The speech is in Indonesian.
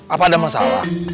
apa ada masalah